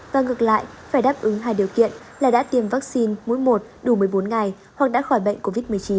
và ngược lại phải đáp ứng hai điều kiện là đã tiêm vaccine mỗi một đủ một mươi bốn ngày hoặc đã khỏi bệnh covid một mươi chín